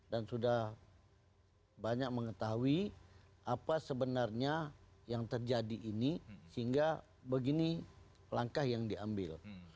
dan sudah banyak mengetahui apa sebenarnya yang terjadi ini sehingga begini langkah yang diambil